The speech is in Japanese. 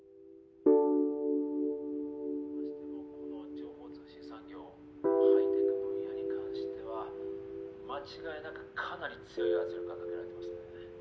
情報通信産業ハイテク分野に関しては間違いなくかなり強い圧力がかけられてましたね。